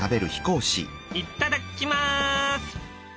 いただきます！